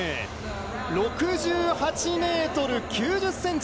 ６８ｍ９０ｃｍ。